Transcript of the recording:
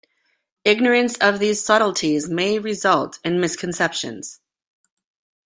Ignorance of these subtleties may result in misconceptions.